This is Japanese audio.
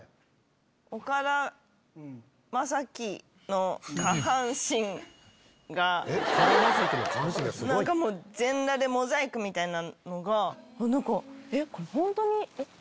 岡田将生の下半身がすごい？みたいなのが何かえっこれホントに。